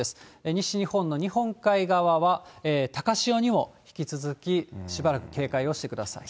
西日本の日本海側は、高潮にも引き続き、しばらく警戒をしてください。